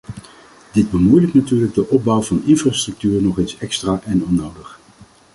Dit bemoeilijkt natuurlijk de opbouw van infrastructuur nog eens extra en onnodig.